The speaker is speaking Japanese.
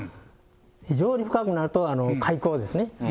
非常に深くなると、海溝ですね。